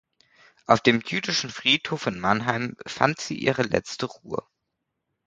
Auf dem Jüdischen Friedhof in Mannheim fand sie ihre letzte Ruhe.